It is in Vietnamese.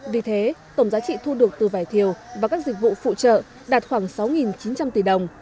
vì thế tổng giá trị thu được từ vải thiều và các dịch vụ phụ trợ đạt khoảng sáu chín trăm linh tỷ đồng